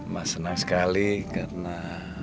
mas senang sekali karena